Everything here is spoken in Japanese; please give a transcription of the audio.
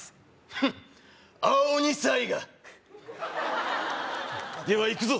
フッ青二才がではいくぞ